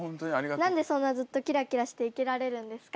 何でそんなずっとキラキラして生きられるんですか？